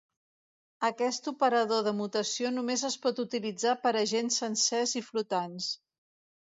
Aquest operador de mutació només es pot utilitzar per a gens sencers i flotants.